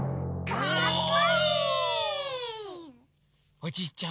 おじいちゃん